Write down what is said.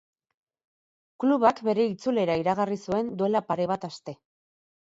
Klubak bere itzulera iragarri zuen duela pare bat aste.